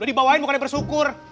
udah dibawain bukannya bersyukur